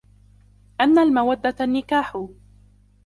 أَنَّ الْمَوَدَّةَ النِّكَاحُ